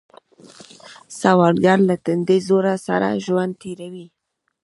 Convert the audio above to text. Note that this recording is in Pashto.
سوالګر له تندي زور سره ژوند تېروي